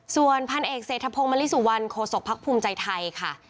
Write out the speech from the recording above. ส่วนพันเอกเศรษฐพงศ์มริสุวรรณโคศกภักดิ์ภูมิใจไทยค่ะ